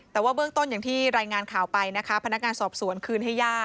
แต่ว่าเบื้อต้นที่ที่รายงานข่าวไปนะคะ